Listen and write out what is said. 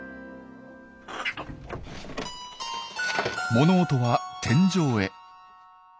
物音は天井へ。